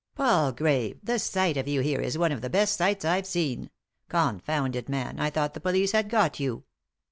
"Palgrave, the sight of you here is one of the best sights I've seen. ^Confound it, man, I thought the police had got you."